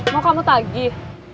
mau kamu tagih